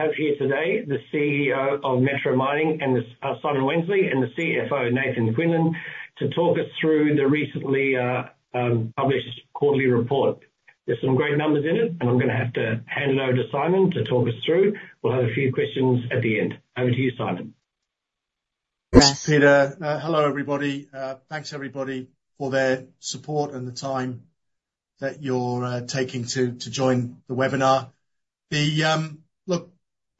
We have here today the CEO of Metro Mining, Simon Wensley and the CFO, Nathan Quinlan to talk us through the recently published quarterly report. There's some great numbers in it and I'm going to have to hand it over to Simon to talk us through. We'll have a few questions at the end. Over to you Simon. Hello everybody. Thanks everybody for their support and the time that you're taking to join the webinar. Look,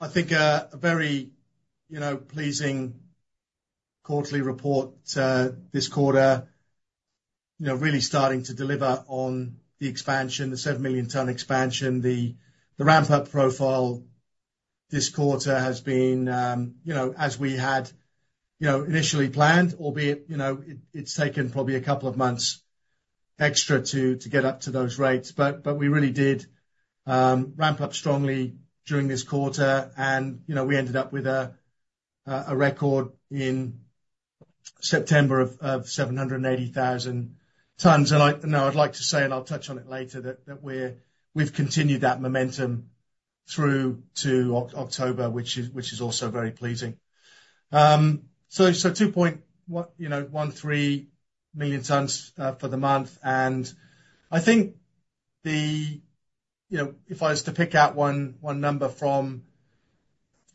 I think a very pleasing quarterly report this quarter. Really starting to deliver on the expansion, the 7 million tonne expansion, the ramp up profile. This quarter has been as we had initially planned, albeit it's taken probably a couple of months extra to get up to those rates. But we really did ramp up strongly during this quarter and you know, we ended up with a record in September of 780,000 tons. And I know I'd like to say, and I'll touch on it later that we've continued that momentum through to October which is also very pleasing. Its a 2.13 million tonnes for the month, and I think the, you know, if I was to pick out one number from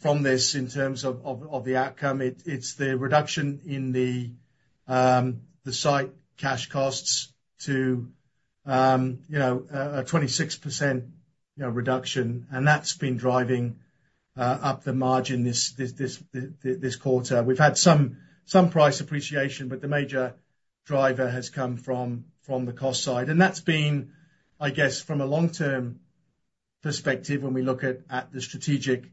this in terms of the outcome, it's the reduction in the site cash costs to, you know, a 26% reduction, and that's been driving up the margin this quarter. We've had some price appreciation, but the majority driver has come from the cost side, and that's been, I guess, from a long term perspective, when we look at the strategic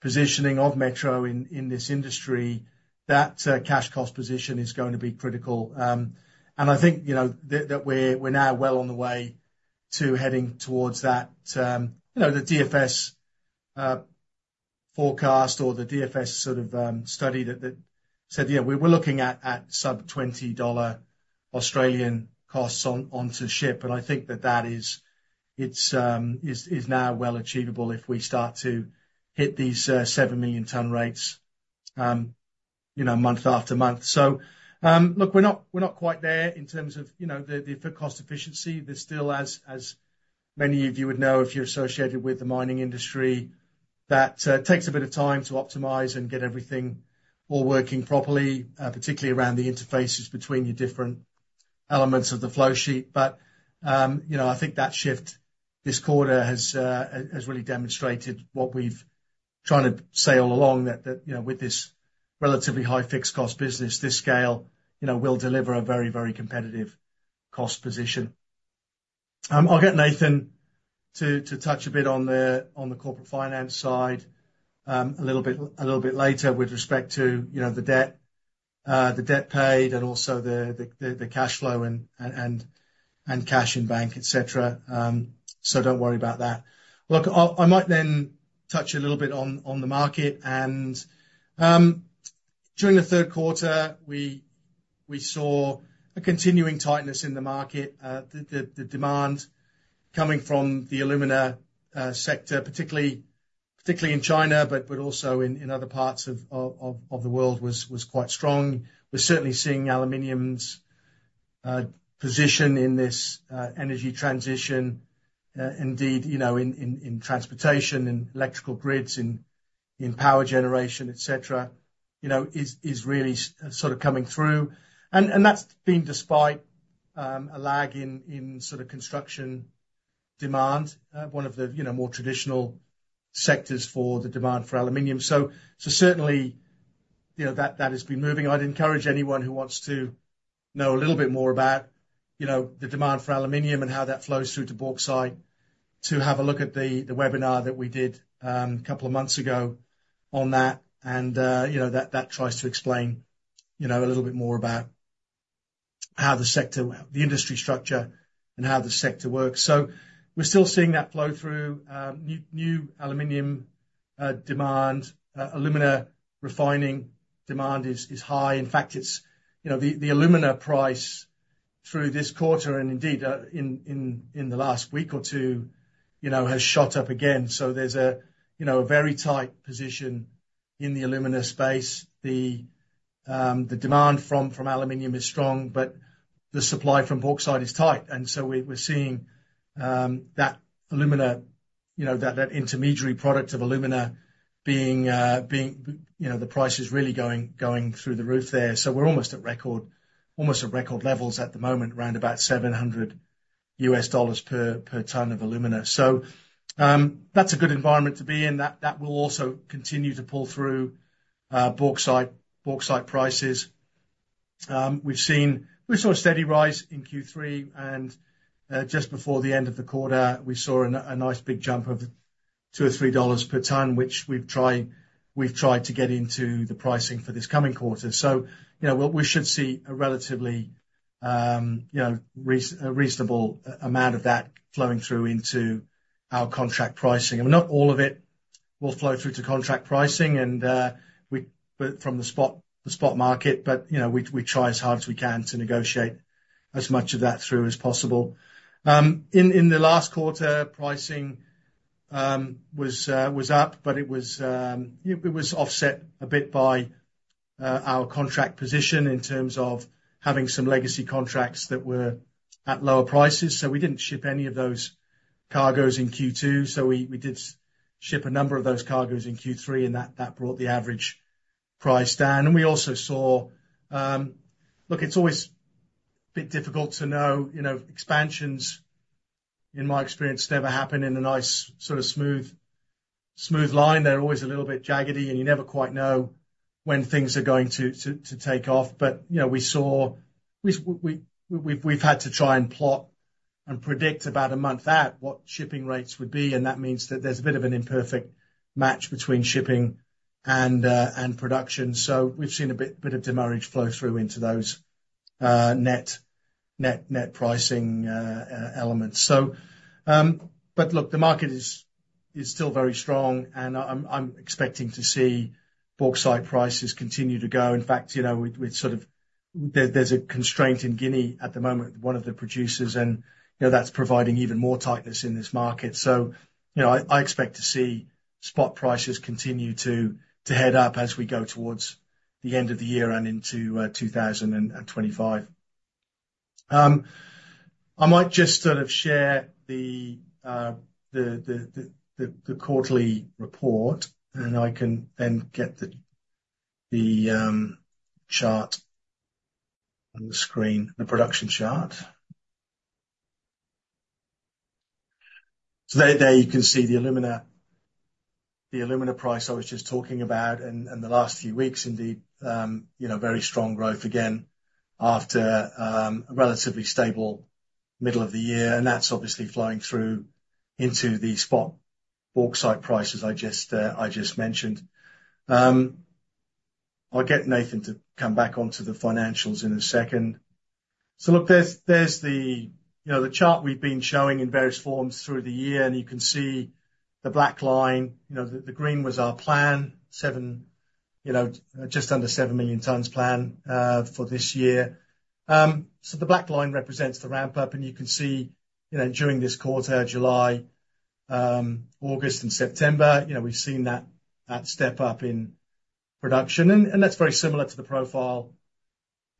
positioning of Metro in this industry, that cash cost position is going to be critical, and I think that we're now well on the way to heading towards that. The DFS forecast or the DFS sort of study that said, yeah, we're looking at sub 20 Australian dollars costs onto ship, and I think that is; it's now well achievable if we start to hit these 7 million ton rates, you know, month after month. So look, we're not, we're not quite there in terms of, you know, the cost efficiency. There's still, as many of you would know if you're associated with the mining industry, that takes a bit of time to optimize and get everything all working properly, particularly around the interfaces between your different elements of the flow sheet. But you know, I think that shift this quarter has really demonstrated what we've been trying to say all along that you know, with this relatively high fixed cost business, this scale, you know, will deliver a very, very competitive cost position. I'll get Nathan to touch a bit on the corporate finance side a little bit later with respect to, you know, the debt paid and also the cash flow and cash in bank etc, so don't worry about that. Look, I might then touch a little bit on the market, and during the third quarter we saw a continuing tightness in the market. The demand coming from the alumina sector, particularly in China but also in other parts of the world was quite strong. We're certainly seeing aluminium's position in this energy transition indeed in transportation and electrical grids, in power generation, etc., you know, is really sort of coming through and that's been despite a lag in sort of construction demand, one of the, you know, more traditional sectors for the demand for aluminium. So certainly, you know, that has been moving. I'd encourage anyone who wants to know a little bit more about, you know, the demand for aluminium and how that flows through to bauxite to have a look at the webinar that we did a couple of months ago on that. And you know, that tries to explain, you know, a little bit more about how the sector, the industry structure and how the sector works. So we're still seeing that flow through new aluminium demand. Alumina refining demand is high. In fact it's, you know, the alumina price through this quarter and indeed in the last week or two, you know, has shot up again. So there's a, you know, a very tight position in the aluminium space. The demand from aluminium is strong but the supply from bauxite is tight, and so we're seeing that alumina, you know, that intermediary product of alumina being, you know, the price is really going through the roof there. So we're almost at record levels at the moment around about $700 per ton of alumina. So that's a good environment to be in that will also continue to pull through bauxite prices. We've seen, we saw a steady rise in Q3 and just before the end of the quarter we saw a nice big jump of 2 or 3 dollars per ton which we've tried, we've tried to get into the pricing for this coming quarter, so you know, we should see a relatively, you know, a reasonable amount of that flowing through into our contract pricing and not all of it will flow through to contract pricing and we, from the spot, the spot market, but you know, we try as hard as we can to negotiate as much of that through as possible. In, in the last quarter, pricing was, was up, but it was, it was offset a bit by our contract position in terms of having some legacy contracts that were at lower prices. So we didn't ship any of those cargoes in Q2, so we did ship a number of those cargoes in Q3 and that brought the average price down. And we also saw, look, it's always a bit difficult to know. Expansions, in my experience never happen in a nice smooth line. They're always a little bit jagged and you never quite know when things are going to take off. But you know, we saw we've had to try and plot and predict about a month out what shipping rates would be and that means that there's a bit of an imperfect match between shipping and production. So we've seen a bit of demurrage flow through into those net pricing elements. So, but look, the market is still very strong and I'm expecting to see bauxite prices continue to go. In fact, there's a constraint in Guinea at the moment, one of the producers, and that's providing even more tightness in this market, so I expect to see spot prices continue to head up as we go towards the end of the year and into 2025. I might just sort of share the quarterly report and I can then get the chart on the screen, the production chart, so there you can see the alumina price I was just talking about, and the last few weeks, indeed, you know, very strong growth again after a relatively stable middle of the year. And that's obviously flowing through into the spot bauxite prices I just mentioned. I'll get Nathan to come back onto the financials in a second, so look, there's the, you know, the chart we've been showing in various forms through the year. You can see the black line. The green was our plan. Seven, you know, just under seven million tons plan for this year. The black line represents the ramp up. You can see, you know, during this quarter, July, August and September, you know, we've seen that step up in production and that's very similar to the profile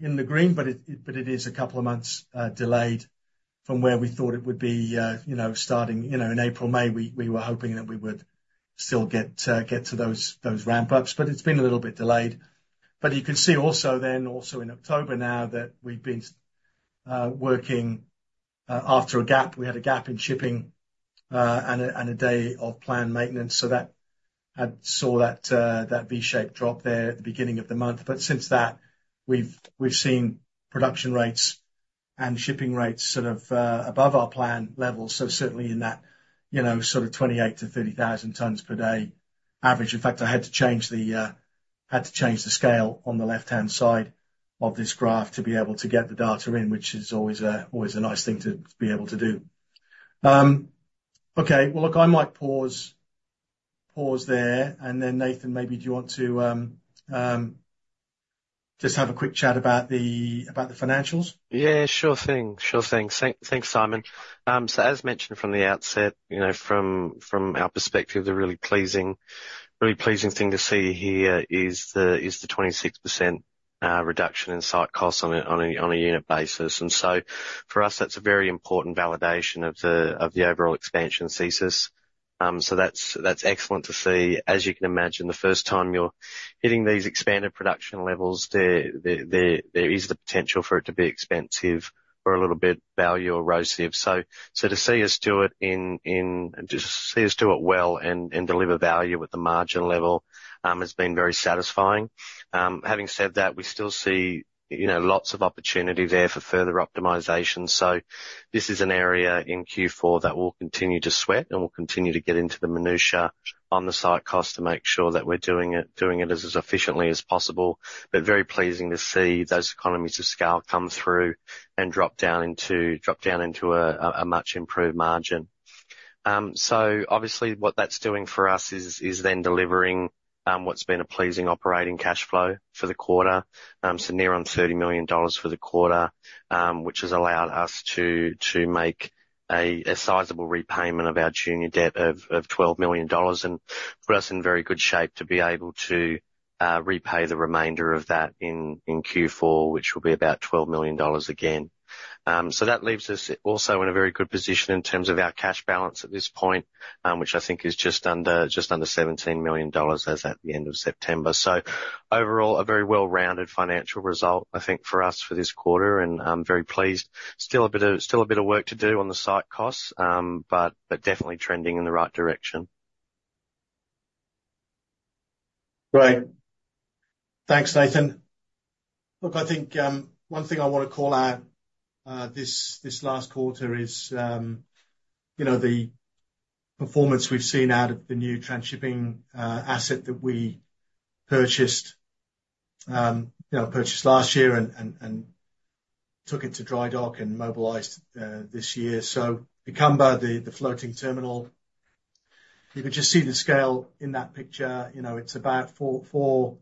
in the green. But it is a couple of months delayed from where we thought it would be, you know, starting, you know, in April, May, we were hoping that we would still get to those ramp ups, but it's been a little bit delayed. But you can see also then in October, now that we've been working after a gap. We had a gap in shipping and a day of planned maintenance so that I saw that V shape drop there at the beginning of the month. But since that we've seen production rates and shipping rates sort of above our plan level. So certainly in that, you know, sort of 28-30,000 tons per day average. In fact I had to change the scale on the left hand side of this graph to be able to get the data in, which is always a nice thing to be able to do. Okay, well look, I might pause there and then. Nathan, maybe do you want to just have a quick chat about the financials? Yeah, sure thing, sure thing. Thanks, Simon. So as mentioned from the outset, you know, from our perspective, the really pleasing, really pleasing thing to see here is the 26% reduction in site costs on a unit basis. And so for us that's a very important validation of the overall expansion thesis. So that's excellent to see. As you can imagine, the first time you're hitting these expanded production levels there is the potential for it to be expensive or a little bit value erosive. So to see us do it well and deliver value at the margin level has been very satisfying. Having said that, we still see lots of opportunity there for further optimization. So this is an area in Q4 that will continue to sweat and we'll continue to get into the minutia on the site cost to make sure that we're doing it as efficiently as possible. But very pleasing to see those economies of scale come through and drop down into a much improved margin. So obviously what that's doing for us is then delivering what's been a pleasing operating cash flow for the quarter. So near on 30 million dollars for the quarter, which has allowed us to make a sizable repayment of our junior debt of 12 million dollars and put us in very good shape to be able to repay the remainder of that in Q4, which will be about 12 million dollars again. That leaves us also in a very good position in terms of our cash balance at this point, which I think is just under, just under 17 million dollars as at the end of September. Overall a very well rounded financial result I think for us for this quarter. I'm very pleased. Still a bit of work to do on the site costs, but definitely trending in the right direction. Great, thanks Nathan. Look, I think one thing I want to call out this last quarter is, you know, the performance we've seen out of the new trans-shipping asset that we purchased last year and took it to dry dock and mobilized this year. So Ikamba, the floating terminal, you could just see the scale in that picture. You know, it's about four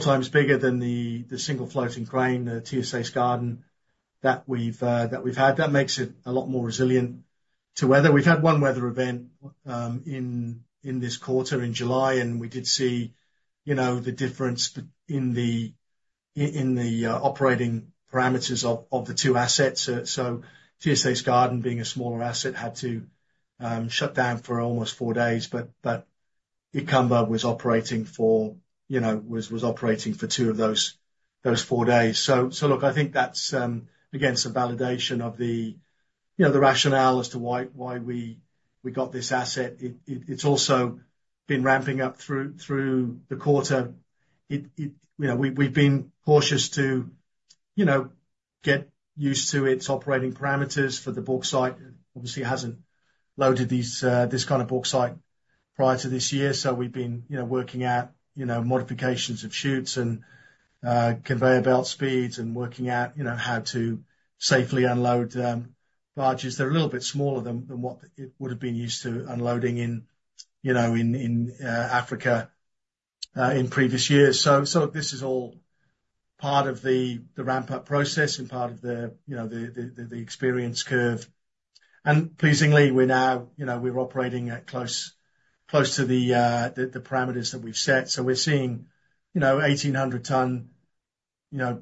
times bigger than the single floating crane, the TSA Skardon that we've had. That makes it a lot more resilient to weather. We've had one weather event in this quarter in July, and we did see, you know, the difference in the operating parameters of the two assets, so TSA Skardon being a smaller asset had to shut down for almost four days. But that Ikamba was operating for, you know, two of those four days. So look, I think that's again some validation of the, you know, the rationale as to why we got this asset. It's also been ramping up through the quarter. We've been cautious to, you know, get used to its operating parameters for the bauxite obviously hasn't loaded this kind of bauxite prior to this year. So we've been, you know, working out, you know, modifications of chutes and conveyor belt speeds and working out, you know, how to safely unload barges. They're a little bit smaller than what it would have been used to unloading in, you know, in Africa in previous years. So this is all part of the ramp-up process and part of the experience curve. And pleasingly we're now, you know, we're operating at close, close to the, the parameters that we've set. So we're seeing, you know, 1800 ton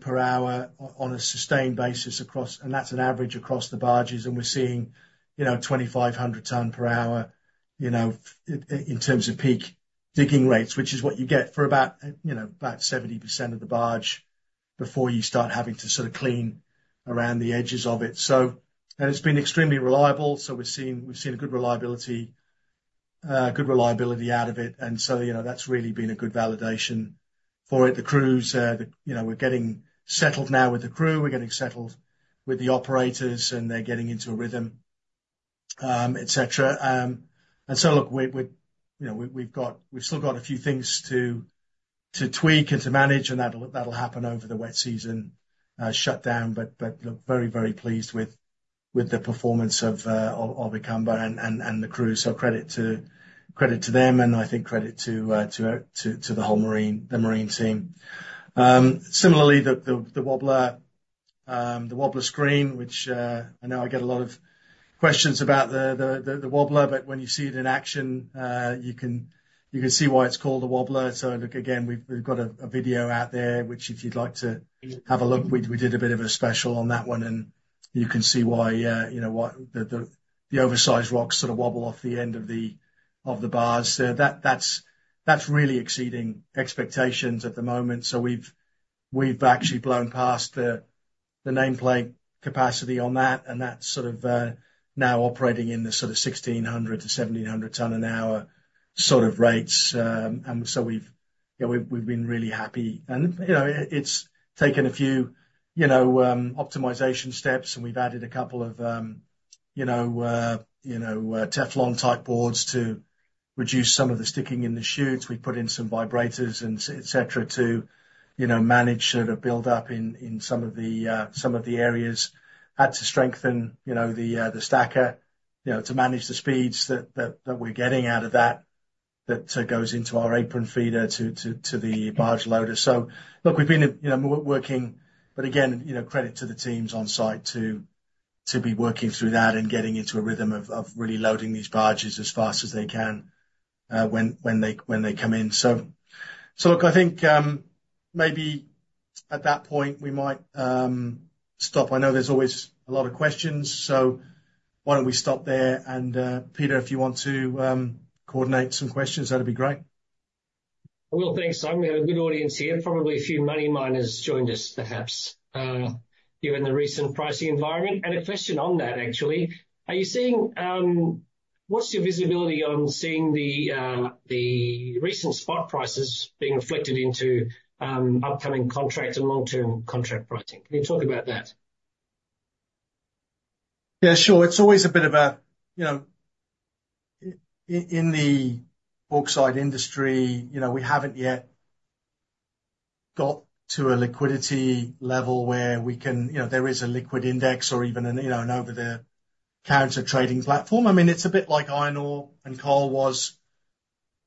per hour on a sustained basis across, and that's an average across the barges. And we're seeing, you know, 2500 ton per hour, you know, in terms of peak digging rates, which is what you get for about, you know, about 70% of the barge before you start having to sort of clean around the edges of it. So, and it's been extremely reliable. So we've seen, we've seen a good reliability, good reliability out of it. And so you know, that's really been a good validation for it. The crews, you know, we're getting settled now with the crew, we're getting settled with the operators, and they're getting into a rhythm etc. Look, we're, you know, we've got, we've still got a few things to tweak and to manage and that'll happen over the wet season shut down, but look very, very pleased with the performance of Ikamba and the crew. Credit to them and I think credit to the whole marine team. Similarly, the wobbler screen, which I know I get a lot of questions about the wobbler but when you see it in action you can see why it's called a wobbler. Look again, we've got a video out there which if you'd like to have a look, we did a bit of a special on that one and you can see why, you know what the oversized rocks sort of wobble off the end of the bars. That's really exceeding expectations at the moment. We've actually blown past the nameplate capacity on that and that's sort of now operating in the sort of 1,600-1,700 ton an hour sort of rates. We've been really happy and you know, it's taken a few optimization steps and we've added a couple of you know Teflon type boards to reduce some of the sticking in the chutes. We put in some vibrators and et cetera to you know manage sort of buildup in some of the areas. Had to strengthen the stacker to manage the speeds that we're getting out of that that goes into our apron feeder to the barge loader. Look, we've been working but again credit to the teams on site to be working through that and getting into a rhythm of really loading these barges as fast as they can when they come in. So, look, I think maybe at that point we might stop. I know there's always a lot of questions, so why don't we stop there. And Peter, if you want to coordinate some questions, that'd be great. Thanks, Simon. We have a good audience here. Probably a few Money Miners joined us perhaps given the recent pricing environment. A question on that actually. Are you seeing what's your visibility on seeing the recent spot prices being reflected into upcoming contract and long term contract pricing? Can you talk about that? Yeah, sure. It's always a bit of a, you know, in the bauxite industry, you know, we haven't yet got to a liquidity level where we can, you know, there is a liquid index or even an, you know, an over the counter trading platform. I mean it's a bit like iron ore and coal was,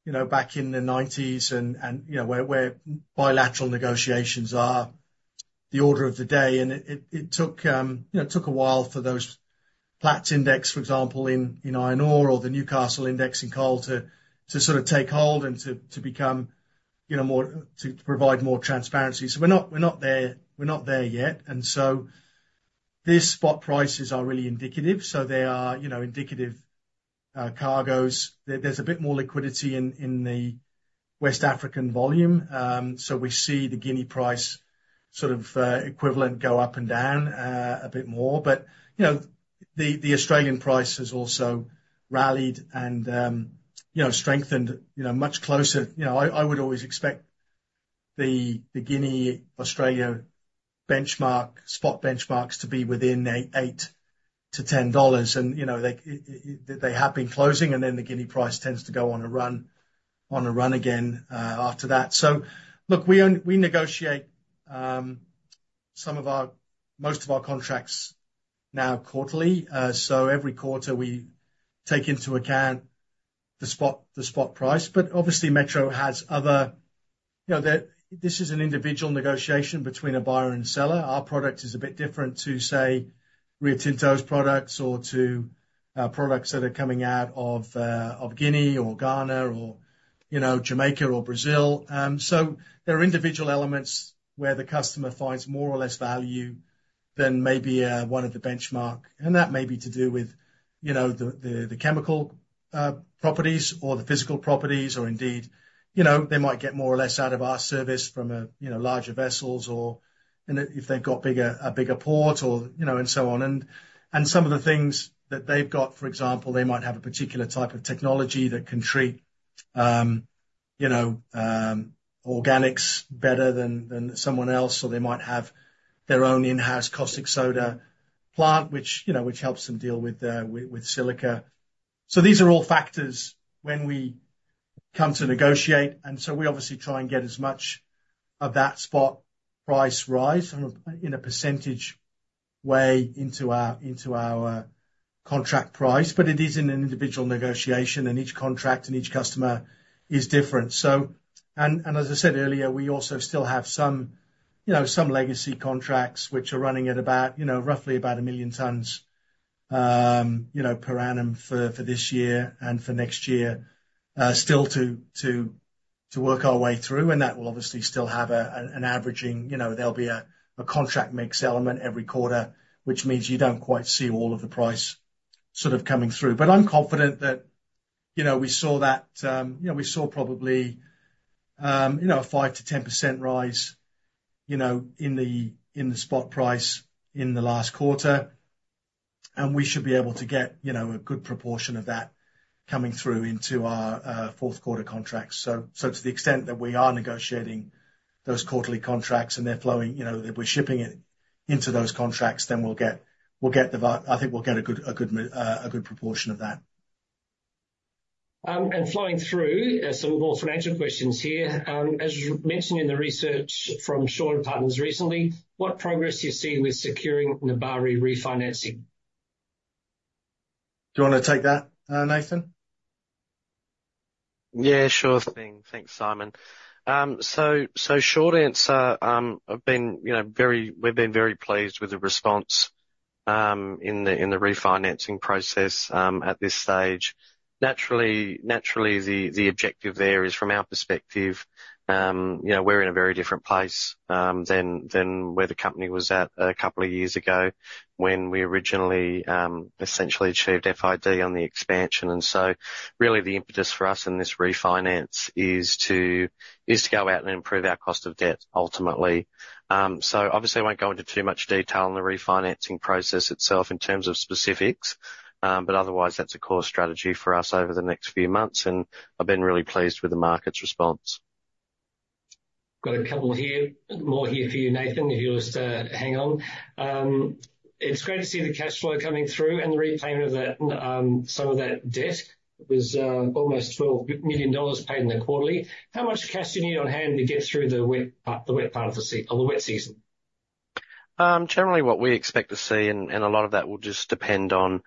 you know, back in the 90s and you know, where bilateral negotiations are the order of the day and it took a while for those Platts index for example in iron ore or the Newcastle index in coal to sort of take hold and to become you know, more to provide more transparency. So we're not there yet. And so this spot prices are really indicative. So they are, you know, indicative cargoes. There's a bit more liquidity in the West African volume. So we see the Guinea price sort of equivalent go up and down a bit more. But, you know, the, the Australian price has also rallied and you know, strengthened, you know, much closer. You know, I would always expect the Guinea Australia benchmark spot benchmarks to be within $8-$10. And you know, they have been closing and then the Guinea price tends to go on a run, on a run again after that. So look, we negotiate some of our, most of our contracts now quarterly. So every quarter we take into account the spot price. But obviously Metro has other, you know, this is an individual negotiation between a buyer and seller. Our product is a bit different to say, Rio Tinto's products or to products that are coming out of Guinea or Ghana or, you know, Jamaica or Brazil. There are individual elements where the customer finds more or less value than maybe one of the benchmark. And that may be to do with, you know, the chemical properties or the physical properties or indeed, you know, they might get more or less out of our service from a, you know, larger vessels or, and if they've got bigger, a bigger port or, you know, and so on and some of the things that they've got, for example, they might have a particular type of technology that can treat, you know, organics better than someone else. So they might have their own in-house caustic soda plant which, you know, which helps them deal with with silica. So these are all factors when we come to negotiate. And so we obviously try and get as much of that spot price rise in a percentage way into our contract price. But it is in an individual negotiation and each contract and each customer is different. So as I said earlier, we also still have some, you know, legacy contracts which are running at about, you know, roughly a million tons, you know, per annum for this year and for next year still to work our way through. And that will obviously still have an averaging. There'll be a contract mix element every quarter, which means you don't quite see all of the price sort of coming through. But I'm confident that we saw probably a 5%-10% rise in the spot price in the last quarter and we should be able to get a good proportion of that coming through into our fourth quarter contracts. So to the extent that we are negotiating those quarterly contracts and they're flowing you know, we're shipping it into those contracts, then we'll get the. I think we'll get a good proportion of that. Flowing through some more financial questions here. As mentioned in the research from Shaw and Partners recently, what progress you see with securing Nebari refinancing? Do you want to take that, Nathan? Yeah, sure thing. Thanks, Simon. So, short answer. We've been very pleased with the response in the refinancing process at this stage. Naturally. The objective there is from our perspective, you know, we're in a very different place than where the company was at a couple of years ago when we originally essentially achieved FID on the expansion. And so really the impetus for us in this refinance is to go out and improve our cost of debt ultimately. So obviously I won't go into too much detail on the refinancing process itself in terms of specifics, but otherwise that's a core strategy for us over the next few months. And I've been really pleased with the market's response. Got a couple here, more here for you, Nathan, if you'll just hang on. It's great to see the cash flow coming through and the repayment of some of that debt was almost 12 million dollars paid in the quarterly. How much cash do you need on hand to get through the wet part of the wet season? Generally, what we expect to see, and a lot of that will just depend on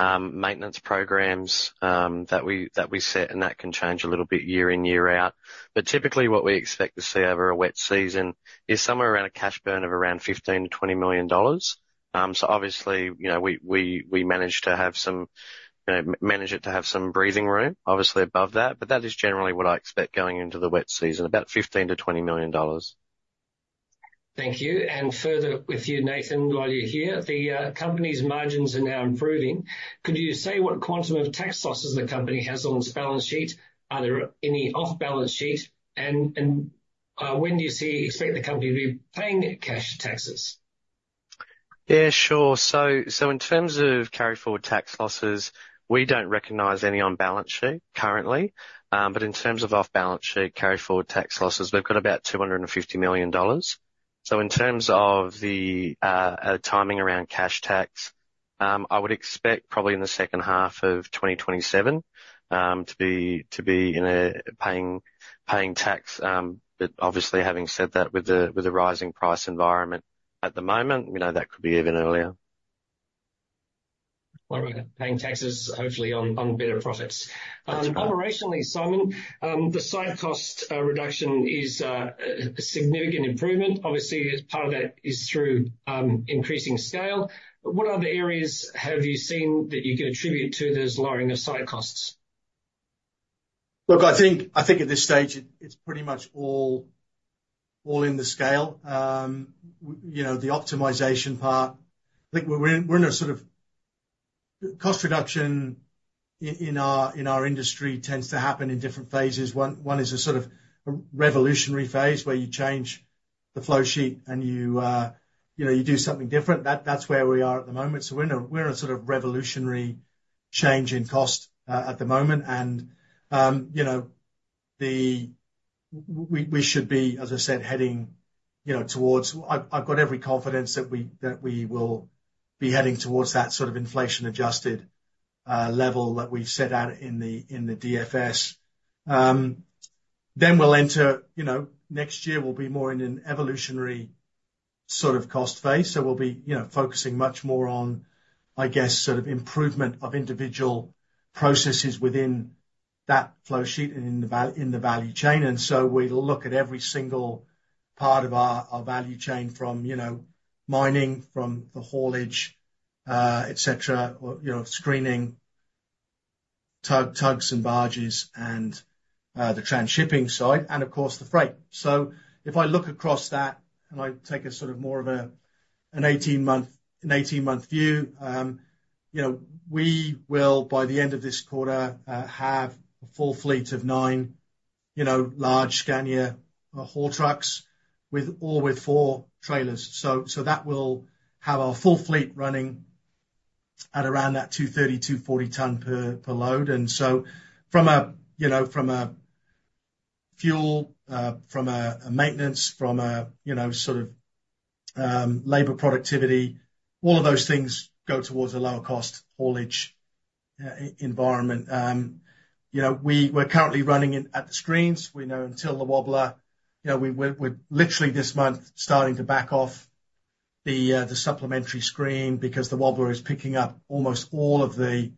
maintenance programs that we set and that can change a little bit year in, year out. But typically, what we expect to see over a wet season is somewhere around a cash burn of around 15-20 million dollars. So obviously, you know, we managed to have some breathing room obviously above that, but that is generally what I expect going into the wet season, about 15-20 million dollars. Thank you. And further with you, Nathan, while you're here, the company's margins are now improving. Could you say what quantum of tax losses the company has on its balance sheet? Are there any off balance sheet, and when do you expect the company to be paying cash taxes? Yeah, sure. So in terms of carry forward tax losses, we don't recognize any on balance sheet currently. But in terms of off balance sheet carry forward tax losses, we've got about 250 million dollars. So in terms of the timing around cash tax, I would expect probably in the second half of 2027 to be in a paying tax. But obviously having said that, with the rising price environment at the moment, that could be even earlier. All right. Paying taxes, hopefully on better profits operationally. Simon, the site cost reduction is a significant improvement. Obviously part of that is through increasing scale. What other areas have you seen that you can attribute to those lowering of site costs? Look, I think at this stage it's pretty much all in the scale. The optimization part we're in a sort of cost reduction in our industry tends to happen in different phases. One is a sort of revolutionary phase where you change the flow sheet and you do something different. That's where we are at the moment. So we're in a sort of revolutionary change in cost at the moment. And you know, we should be as I said, heading, you know, towards. I've got every confidence that we will be heading towards that sort of inflation adjusted level that we've set out in the DFS. Then we'll enter, you know, next year we'll be more in an evolutionary sort of cost phase. So we'll be, you know, focusing much more on I guess sort of improvement of individual processes within that flow sheet and in the value chain. And so we look at every single part of our value chain from you know, mining from the haulage, etc. You know, screening tugs and barges and the trans-shipping side and of course the freight. So if I look across that and I take a sort of more of a, an 18-month view, you know, we will by the end of this quarter have a full fleet of nine, you know, large Scania haul trucks with four trailers. So that will have our full fleet running at around that 230-240 ton per load. And so from a fuel, from a maintenance, from a sort of labor productivity, all of those things go towards a lower cost haulage environment. You know, we're currently running the screens, you know, until the wobbler. You know, we're literally this month starting to back off the supplementary screen because the wobbler is picking up almost all of the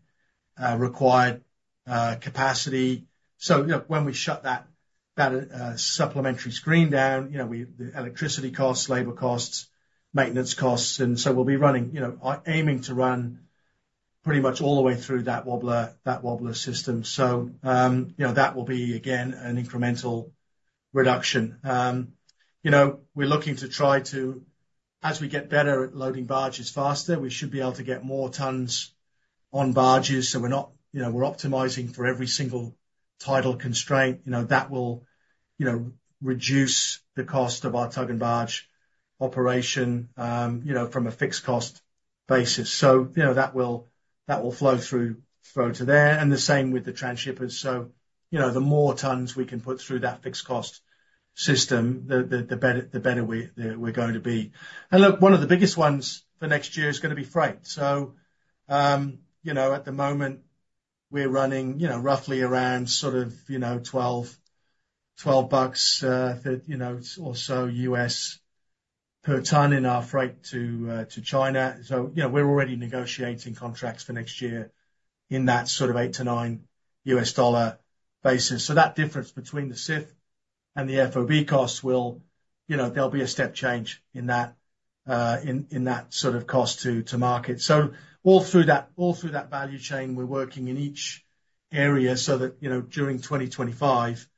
required capacity. So when we shut that supplementary screen down, you know, the electricity costs, labor costs, maintenance costs. And so we'll be running, you know, aiming to run pretty much all the way through that wobbler, that wobbler system. So you know, that will be again an incremental reduction. You know, we're looking to try to, as we get better at loading barges faster, we should be able to get more tons on barges. So we're not, you know, we're optimizing for every single tidal constraint, you know, that will, you know, reduce the cost of our tug and barge operation, you know, from a fixed cost basis. So you know that will, that will flow through to there and the same with the transshippers. So you know, the more tons we can put through that fixed cost system, the better, the better we're going to be. And look, one of the biggest ones next year is going to be freight. So you know, at the moment we're running you know, roughly around sort of, you know, $12 or so US per ton in our freight to China. So you know, we're already negotiating contracts for next year in that sort of $8-$9 basis. So that difference between the CIF and the FOB costs will, you know, there'll be a step change in that, in that sort of cost to market. So all through that value chain we're working in each area so that you know, during 2025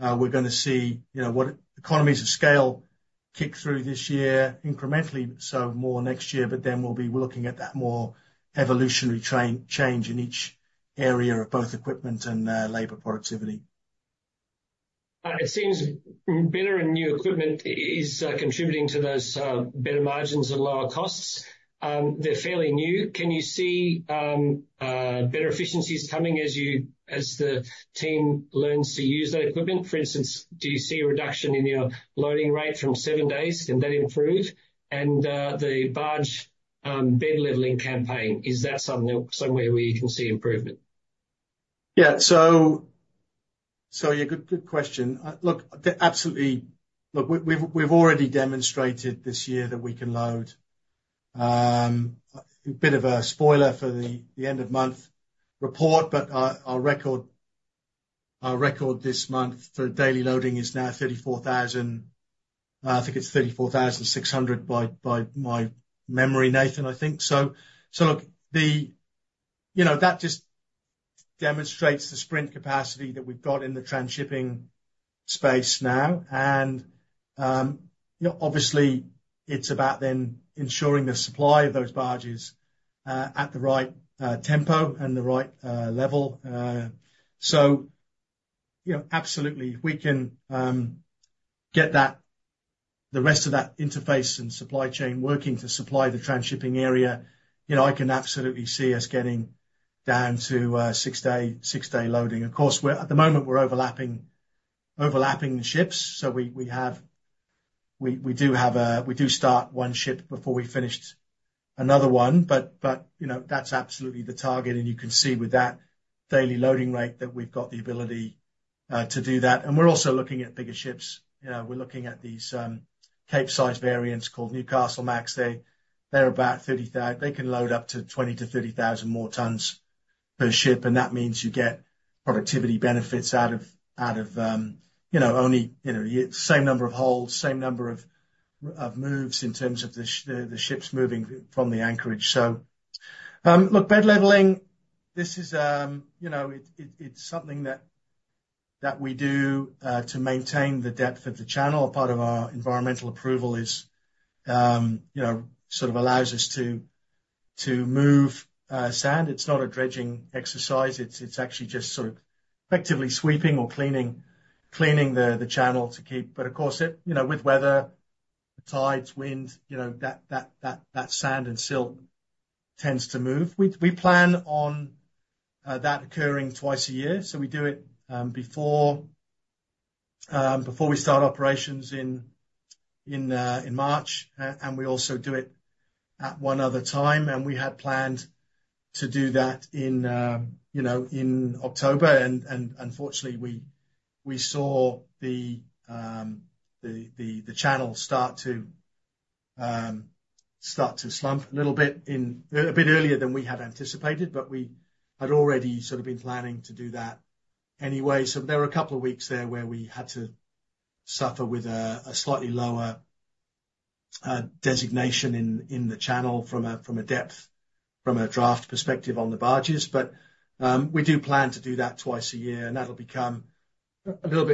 we're going to see, you know, what economies of scale kick through this year incrementally. So more next year but then we'll be looking at that more evolutionary change in each area of both equipment and labor productivity. It seems better and new equipment is contributing to those better margins and lower costs. They're fairly new. Can you see better efficiencies coming as you, as the team learns to use that equipment? For instance, do you see a reduction in your loading rate from seven days? Can that improve? And the barge bed leveling campaign, is that somewhere where you can see improvement? Yeah, so yeah, good question. Look, absolutely. Look, we've already demonstrated this year that we can load a bit of a spoiler for the end of month report. But our record this month for daily loading is now 34,000. I think it's 34,600 by my memory, Nathan. I think so. So look, you know that just demonstrates the sprint capacity that we've got in the transshipping space now. And obviously it's about then ensuring the supply of those barges at the right tempo and the right level. So you know, absolutely we can get the rest of that interface and supply chain working to supply the transshipping area. You know, I can absolutely see us getting down to six-day loading. Of course at the moment, we're overlapping the ships. So we do have a, we do start one ship before we finished another one. But you know, that's absolutely the target and you can see with that daily loading rate that we've got the ability to do that. And we're also looking at bigger ships. You know, we're looking at these Capesize variants called Newcastlemax. They're about 30,000. They can load up to 20, 000 to 30,000 more tons per ship. And that means you get productivity benefits out of you know, only, you know, same number of holes, same number of moves in terms of the ships moving from the anchorage. So look, bed leveling this is, you know it, it's something that we do to maintain the depth of the channel. Part of our environmental approval is, you know, sort of allows us to move sand. It's not a dredging exercise. It's actually just sort of effectively sweeping or cleaning the channel to keep. But of course, you know, with weather, tides, wind, you know, that sand and silt tends to move. We plan on that occurring twice a year, so we do it before we start operations in March, and we also do it at one other time, and we had planned to do that in October, and unfortunately we saw the channel start to slump a little bit earlier than we had anticipated. But we had already sort of been planning to do that anyway. There were a couple of weeks there where we had to suffer with a slightly lower designation in the channel from a depth, from a draft perspective on the barges. But we do plan to do that twice a year and that'll become a little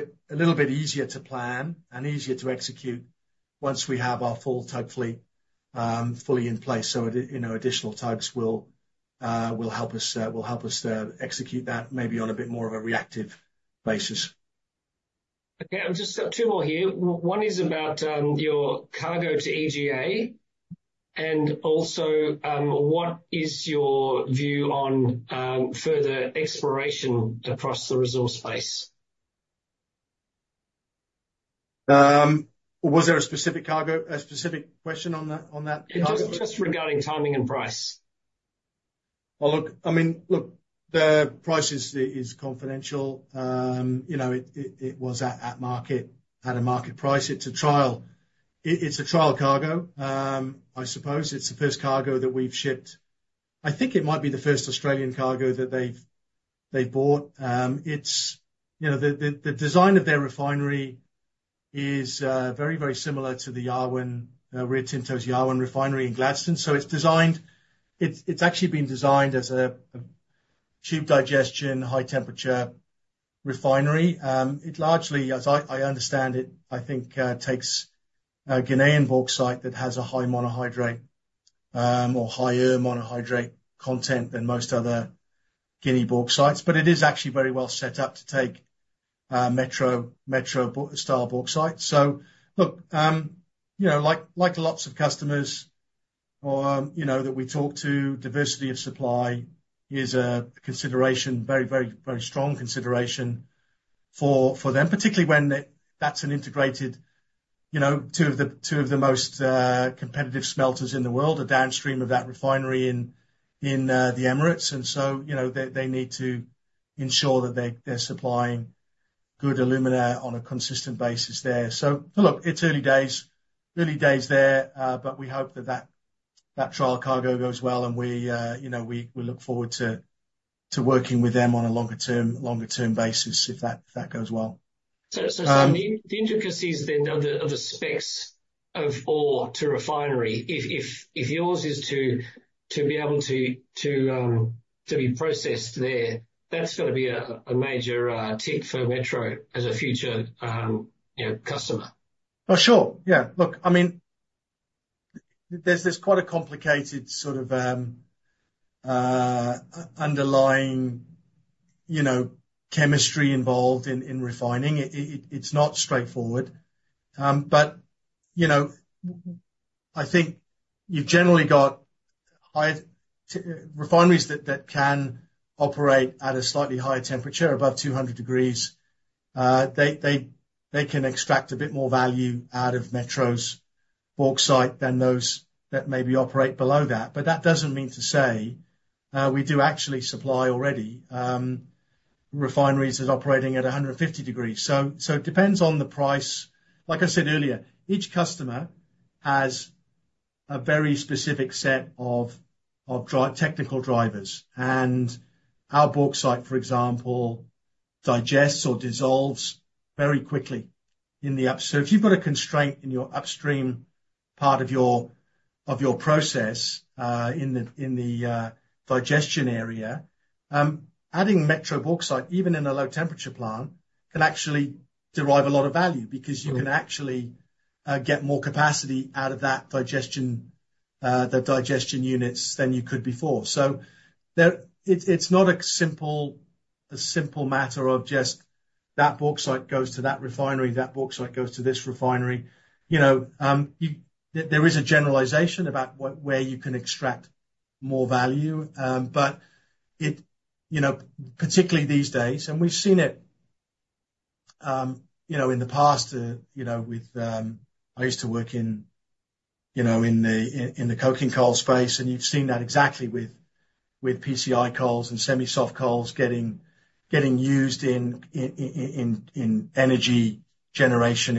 bit easier to plan and easier to execute once we have our full tug fleet fully in place. You know, additional tugs will help us execute that maybe on a bit more of a reactive basis. Okay, I've just got two more here. One is about your cargo to EGA and also what is your view on further exploration across the resource base? Was there a specific cargo, a specific question on that, on that? Just regarding timing and price? Well look, I mean look, the price is confidential. You know, it was at market, at a market price. It's a trial, it's a trial cargo. I suppose it's the first cargo that we've shipped. I think it might be the first Australian cargo that they've, they bought. It's you know the, the design of their refinery is very, very similar to the Yarwun Rio Tinto's Yarwun refinery in Gladstone. So it's designed, it's actually been designed as a tube digestion, high temperature refinery. It largely as I understand it, I think takes a Ghanaian bauxite that has a high monohydrate or higher monohydrate content than most other Guinea bauxite sites. But it is actually very well set up to take Metro Mining style bauxites. So look, you know, like, like lots of customers or you know, that we talk to. Diversity of supply is a consideration, very, very, very strong consideration for them, particularly when that's an integrated, you know, two of the most competitive smelters in the world are downstream of that refinery in the Emirates. And so, you know, they need to ensure that they're supplying good alumina on a consistent basis there. So look, it's early days there, but we hope that that trial cargo goes well and we, you know, we look forward to working with them on a longer term basis if that goes well. So, the intricacies then of the specs of ore to refinery, if yours is to be able to be processed there, that's going to be a major tick for Metro as a future customer. Oh sure, yeah. Look, I mean there's this quite a complicated sort of underlying you know, chemistry involved in refining. It's not straightforward but you know, I think you've generally got high refineries that can operate at a slightly higher temperature above 200 degrees. They can extract a bit more value out of Metro's bauxite than those that maybe operate below that. But that doesn't mean to say we do actually supply already refineries that operating at 150 degrees. So it depends on the price. Like I said earlier, each customer has a very specific set of technical drivers and our bauxite for example digests or dissolves very quickly in the autoclave. So if you've got a constraint in your upstream part of your process in the digestion area. Adding Metro bauxite even in a low temperature plant can actually derive a lot of value because you can actually get more capacity out of that digestion, the digestion units than you could before. So that it's not a simple matter of just that bauxite goes to that refinery, that bauxite goes to this refinery. You know, there is a generalization about where you can extract more value but it, you know, particularly these days and we've seen it you know in the past, you know with, I used to work in you know, in the coking coal space and you've seen that exactly with PCI coals and semi soft coals getting used in energy generation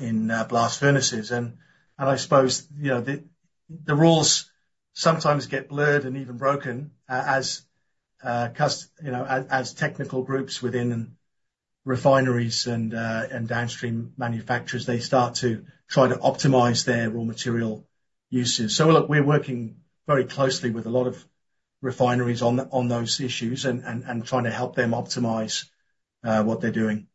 in blast furnaces, and I suppose, you know, the rules sometimes get blurred and even broken as technical groups within refineries and downstream manufacturers, they start to try to optimize their raw material uses. So, look, we're working very closely with a lot of refineries on those issues and trying to help them optimize what they're doing.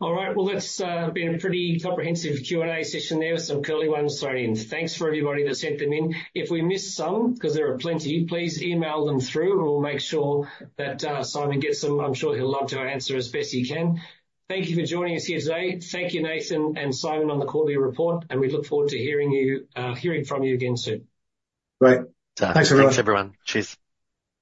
All right. Well, that's been a pretty comprehensive Q&A session there with some curly ones. Sorry. And thanks for everybody that sent them in. If we missed some, because there are plenty, please email them through and we'll make sure that Simon gets them. I'm sure he'll love to answer as best he can. Thank you for joining us here today. Thank you, Nathan and Simon, on the quarterly report. And we look forward to hearing from you again soon. Great. Thanks very much. Thanks, everyone. Cheers.